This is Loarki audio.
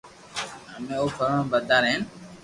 امي او فرمابردار ھين